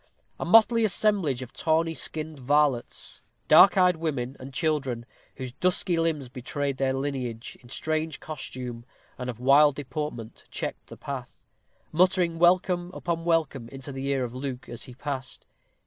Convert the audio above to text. A motley assemblage of tawny skinned varlets, dark eyed women and children, whose dusky limbs betrayed their lineage, in strange costume, and of wild deportment, checked the path, muttering welcome upon welcome into the ear of Luke as he passed.